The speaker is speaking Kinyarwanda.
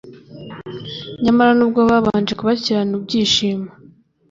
Nyamara n’ubwo babanje kubakirana ibyishimo,